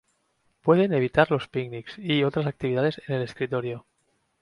Pueden evitar los picnics y otras actividades en el exterior.